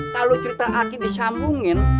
lalu cerita aki disambungin